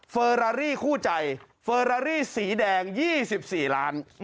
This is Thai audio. เฟอรารี่คู่ใจเฟอรารี่สีแดง๒๔ล้าน